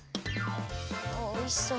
おいしそう。